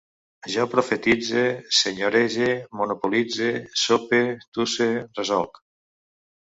Jo porfiritze, senyorege, monopolitze, sope, tusse, resolc